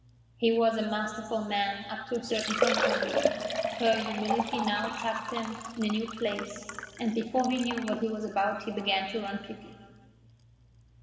He was a masterful man up to a certain point only. Her humility now tapped him in a new place, and before he knew what he was about he began to run pity.